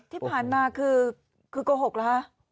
ที่ผ่านมาคือโกหกเหรอฮะ